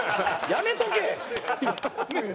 「やめとけ」。